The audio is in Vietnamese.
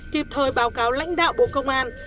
kịp thời báo cáo lãnh đạo bộ công an